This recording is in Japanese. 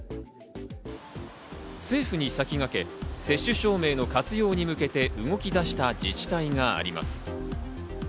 政府に先駆け接種証明の活用に向けて動き出した自治体があります。